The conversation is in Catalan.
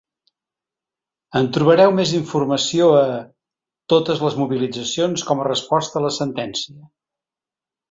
En trobareu més informació a: Totes les mobilitzacions com a resposta a la sentència.